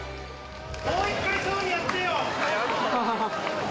もう一回総理やってよ！